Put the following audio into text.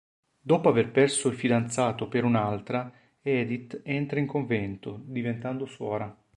Dopo aver perso il fidanzato per un'altra, Edith entra in convento, diventando suora.